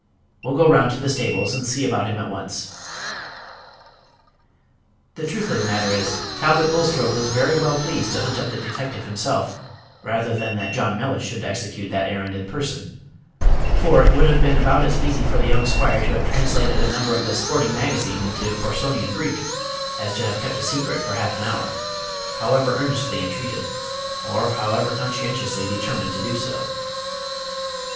We'll go round to the stables, and see about him at once." The truth of the matter is, Talbot Bulstrode was very well pleased to hunt up the detective himself, rather than that John Mellish should execute that errand in person; for it would have been about as easy for the young squire to have translated a number of the Sporting Magazine into Porsonian Greek, as to have kept a secret for half an hour, however earnestly entreated, or however conscientiously determined to do so.